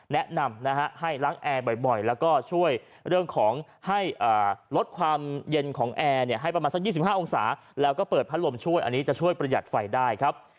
แนะนำนะฮะให้ล้างแอร์บ่อยแล้วก็ช่วยเรื่องของให้ลดความเย็นของแอร์ให้ประมาณสัก๒๕องศาแล้วก็เปิดพัดลมช่วยอันนี้จะช่วยประหยัดไฟได้ครับ